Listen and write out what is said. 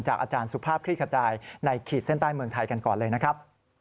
อาจารย์สุภาพคลี่ขจายในขีดเส้นใต้เมืองไทยกันก่อนเลยนะครับ